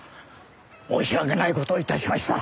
申し訳ない事をいたしました。